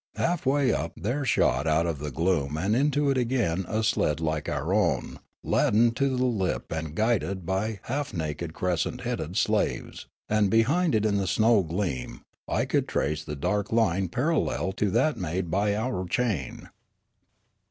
Half way up there shot out of the gloom and into it again a sled like our own laden to the lip and guided by half naked cresset headed slaves ; and behind it in the snow gleam I could trace a dark line parallel to that made by our chain.